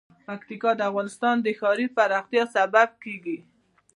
پکتیکا د افغانستان د ښاري پراختیا سبب کېږي.